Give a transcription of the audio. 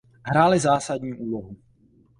Hráli zásadní úlohu.